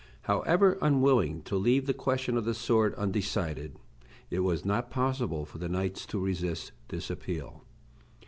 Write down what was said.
However unwilling to leave the question of the sword undecided, it was not possible for the knights to resist this appeal.